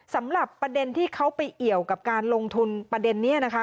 สำหรับประเด็นที่เขาไปเอี่ยวกับการลงทุนประเด็นนี้นะคะ